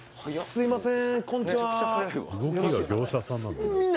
「すいません